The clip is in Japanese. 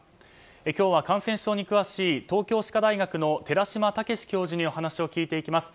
今日は感染症に詳しい東京歯科大学の寺嶋毅教授にお話を聞いていきます。